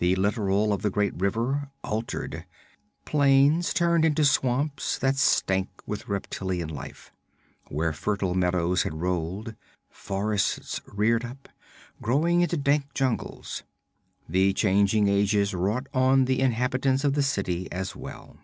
The littoral of the great river altered. Plains turned into swamps that stank with reptilian life. Where fertile meadows had rolled, forests reared up, growing into dank jungles. The changing ages wrought on the inhabitants of the city as well.